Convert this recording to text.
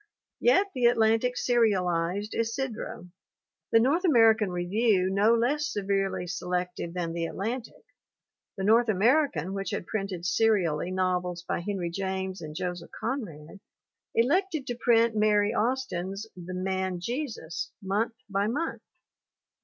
Yet the Atlantic serialized Isidro. The North American Review, no less severely selective than the Atlantic, the North American, which had printed serially novels by Henry James and Joseph Conrad, elected to print Mary Aus tin's The Man Jesus month by month.